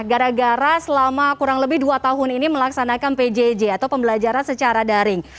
gara gara selama kurang lebih dua tahun ini melaksanakan pjj atau pembelajaran secara daring